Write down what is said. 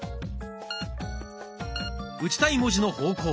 打ちたい文字の方向